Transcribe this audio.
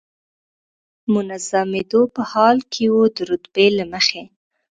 منظمېدو په حال کې و، د رتبې له مخې.